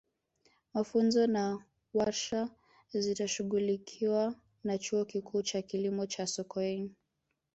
mafunzo na warsha zitashughulikiwa na chuo kikuu cha kilimo cha sokoine